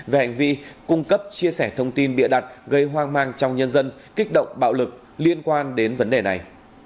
về hành vi cung cấp chia sẻ thông tin bịa đặt gây hoang mang trong nhân dân kích động bạo lực liên quan đến vấn đề này